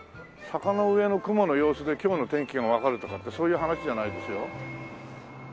坂の上の雲の様子で今日の天気がわかるとかってそういう話じゃないですよ。